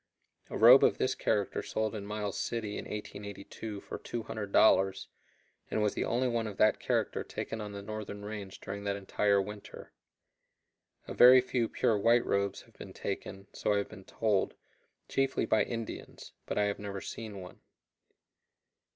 A robe of this character sold in Miles City in 1882 for $200, and was the only one of that character taken on the northern range during that entire winter. A very few pure white robes have been taken, so I have been told, chiefly by Indians, but I have never seen one.